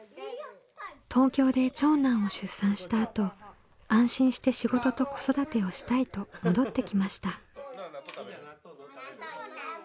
東京で長男を出産したあと安心して仕事と子育てをしたいと戻ってきました。